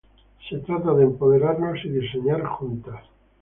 se trata de empoderarnos y diseñar juntas